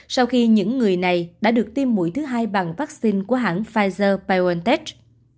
sau khi những người này đã được tiêm mũi thứ hai bằng vaccine của hãng pfizer biontech